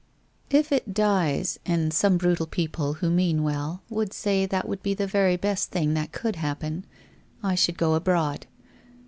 If it dies, and some brutal people who mean well, would say that would be the very best thing that could happen, I should go abroad.